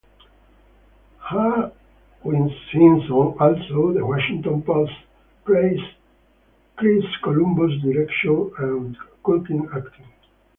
Hal Hinson, also of "The Washington Post", praised Chris Columbus's direction and Culkin's acting.